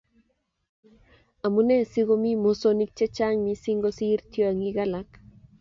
Amunee si komii mosonik che chang mising kosiir tiongik alak?